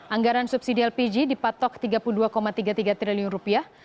anggaran subsidi lpg dipatok tiga puluh dua tiga puluh tiga triliun rupiah